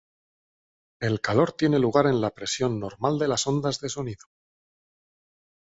El calor tiene lugar en la presión normal de las ondas de sonido.